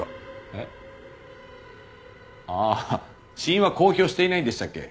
えっ？ああ死因は公表していないんでしたっけ？